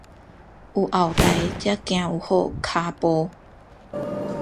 有後台才行有好跤步